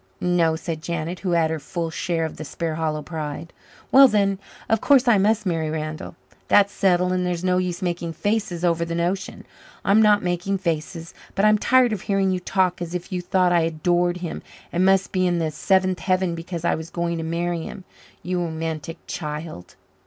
"No," said Janet, who had her full share of the Sparhallow pride. "Well, then, of course I must marry Randall. That's settled and there's no use making faces over the notion. I'm not making faces, but I'm tired of hearing you talk as if you thought I adored him and must be in the seventh heaven because I was going to marry him, you romantic child."